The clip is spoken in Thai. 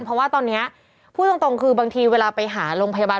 เพราะว่าตอนนี้พูดตรงคือบางทีเวลาไปหาโรงพยาบาล